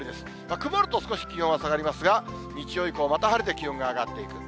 曇ると少し気温は下がりますが、日曜以降また晴れて、気温が上がっていく。